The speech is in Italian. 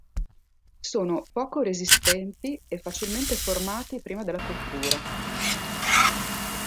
Sono poco resistenti e facilmente formati prima della cottura.